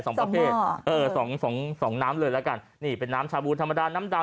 สองประเภทสองหม้อเออสองสองสองน้ำเลยแล้วกันนี่เป็นน้ำชาบูนธรรมดาน